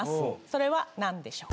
それは何でしょう？